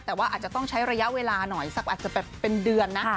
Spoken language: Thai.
แต่ว่าอาจจะต้องใช้ระยะเวลาหน่อยสักอาจจะเป็นเดือนนะ